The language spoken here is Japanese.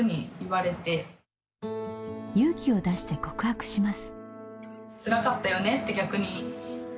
勇気を出して告白します。